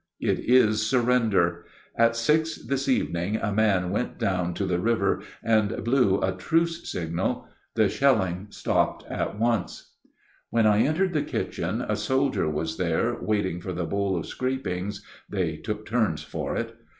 "It is surrender. At six last evening a man went down to the river and blew a truce signal; the shelling stopped at once." When I entered the kitchen a soldier was there waiting for the bowl of scrapings (they took turns for it).